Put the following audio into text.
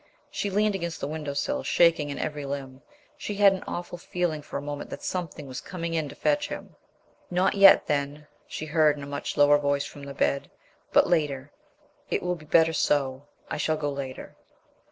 She leaned against the window sill, shaking in every limb. She had an awful feeling for a moment that something was coming in to fetch him. "Not yet, then," she heard in a much lower voice from the bed, "but later. It will be better so... I shall go later...."